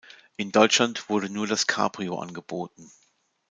In Deutschland wurde nur das Cabrio angeboten.